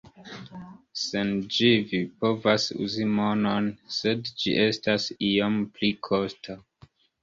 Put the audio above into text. Sen ĝi, vi povas uzi monon, sed ĝi estas iom pli kosta.